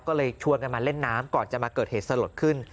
ก็เลยชวนกันมาเล่นน้ำก่อนจะมาเกิดเหตุสลดขึ้น